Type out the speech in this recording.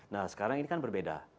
nah sekarang ini kan berbeda